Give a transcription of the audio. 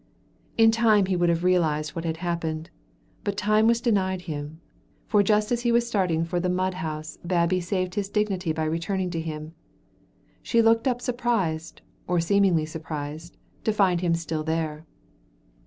In time he would have realized what had happened, but time was denied him, for just as he was starting for the mudhouse Babbie saved his dignity by returning to him.... She looked up surprised, or seemingly surprised, to find him still there.